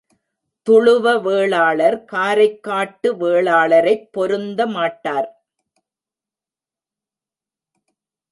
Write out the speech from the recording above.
துளுவ வேளாளர் காரைக்காட்டு வேளாளரைப் பொருந்த மாட்டார்.